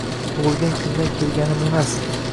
Tug’ilgan kundan kelganim emas.